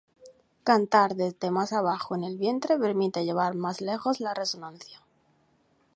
Cantar desde más abajo en el vientre permite llevar más lejos la resonancia.